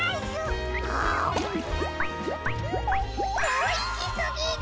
おいしすぎる！